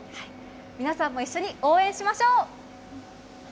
皆さんも一緒に応援しましょう。